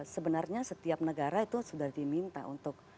sebenarnya setiap negara itu sudah diminta untuk